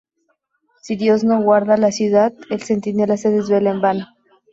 Si Dios no guarda la ciudad, el centinela se desvela en vano"".